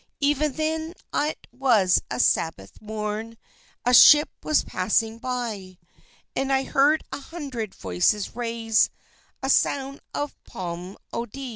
Even then it was a Sabbath morn; A ship was passing by, And I heard a hundred voices raise A sound of psalmody.